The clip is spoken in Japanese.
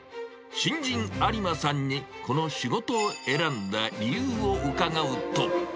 新人、有馬さんにこの仕事を選んだ理由を伺うと。